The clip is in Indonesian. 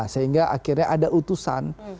sehingga akhirnya ada utusan